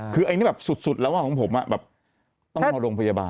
คืออันนี้แบบสุดแล้วของผมแบบต้องมาโรงพยาบาล